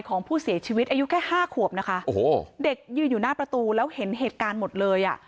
ของผู้เสียชีวิตอายุแค่ห้าขวบนะคะโอ้โหเด็กยืนอยู่หน้าประตูแล้วเห็นเหตุการณ์หมดเลยอ่ะ